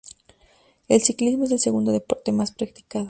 El Ciclismo es el segundo deporte más practicado.